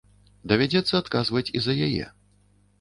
Давядзецца адказваць і за яе.